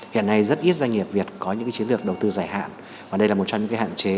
hiện nay rất ít doanh nghiệp việt có những chiến lược đầu tư dài hạn và đây là một trong những hạn chế